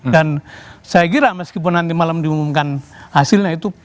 dan saya kira meskipun nanti malam diumumkan hasilnya itu